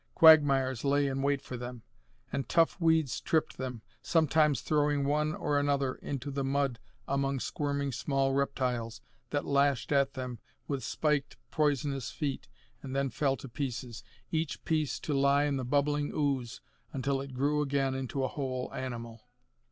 Quagmires lay in wait for them, and tough weeds tripped them, sometimes throwing one or another into the mud among squirming small reptiles that lashed at them with spiked, poisonous feet and then fell to pieces, each piece to lie in the bubbling ooze until it grew again into a whole animal.